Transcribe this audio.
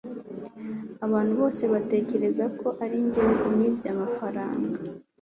abantu bose batekereza ko arinjye wibye amafaranga